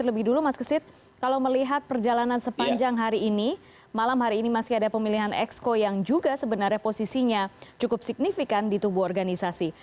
lebih dulu mas kesit kalau melihat perjalanan sepanjang hari ini malam hari ini masih ada pemilihan exco yang juga sebenarnya posisinya cukup signifikan di tubuh organisasi